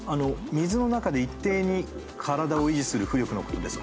水の中で一定に体を維持する浮力のことです。